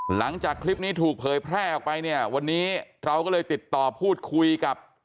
หลังจากคลิปนี้ถูกเผยแพร่ออกไปเนี่ยวันนี้เราก็เลยติดต่อพูดคุยกับ